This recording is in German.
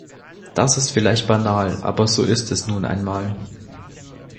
Das ist vielleicht banal, aber so ist es nun einmal.